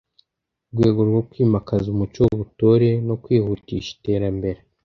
rwego rwo kwimakaza umuco w’ubutore no kwihutisha iterambere